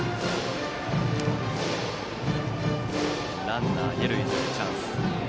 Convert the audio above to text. ランナー、二塁のチャンス。